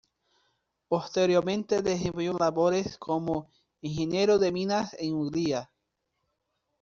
Posteriormente desempeñó labores como ingeniero de minas en Hungría.